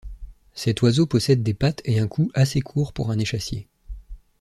Cet oiseau possède des pattes et un cou assez court pour un échassier.